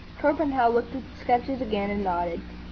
Torpenhow looked at the sketches again, and nodded.